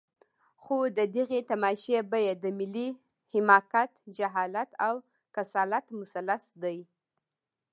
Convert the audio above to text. خو د دغې تماشې بیه د ملي حماقت، جهالت او کسالت مثلث دی.